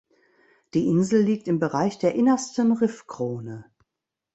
Die Insel liegt im Bereich der innersten Riffkrone.